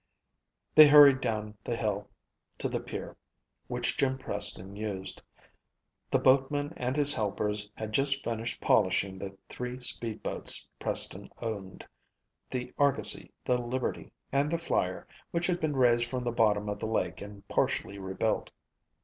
They hurried down the hill to the pier which Jim Preston used. The boatman and his helpers had just finished polishing the three speed boats Preston owned, the Argosy, the Liberty and the Flyer, which had been raised from the bottom of the lake and partially rebuilt.